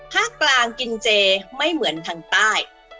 ภาคกลางกินเจไม่เหมือนทางใต้